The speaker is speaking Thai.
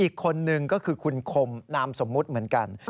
อีกคนนึงก็คือคุณคมนามสมมุติเหมือนกัน